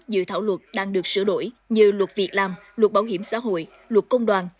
dự thảo luật đang được sửa đổi như luật việc làm luật bảo hiểm xã hội luật công đoàn